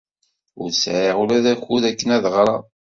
Ur sɛiɣ ula d akud akken ad ɣreɣ.